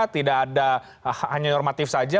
tidak ada hanya normatif saja